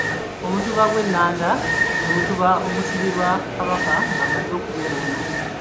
Omutuba gw’ennanda gwe mutuba ogusimbirwa Kabaka ng'amaze okulya engoma.